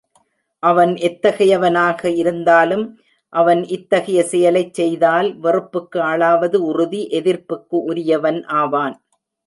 அவன் எத்தகையவனாக இருந்தாலும் அவன் இத்தகைய செயலைச் செய்தால் வெறுப்புக்கு ஆளாவது உறுதி எதிர்ப்புக்கு உரியவன் ஆவான்.